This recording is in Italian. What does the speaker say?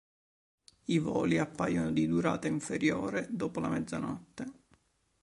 I voli appaiono di durata inferiore dopo la mezzanotte.